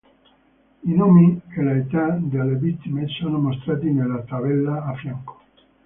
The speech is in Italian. I nomi e le età delle vittime sono mostrati nella tabella a fianco.